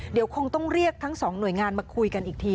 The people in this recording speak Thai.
เดี๋ยวคงต้องเรียกทั้งสองหน่วยงานมาคุยกันอีกที